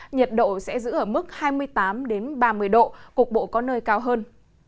nhiệt độ sẽ giữ ở mức hai mươi tám ba mươi độ cục bộ có nơi cao hơn